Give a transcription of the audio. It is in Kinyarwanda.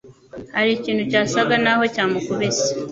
hari ikintu cyasaga naho cyamukubise